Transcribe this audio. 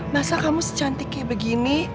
masa kamu secantik kayak begini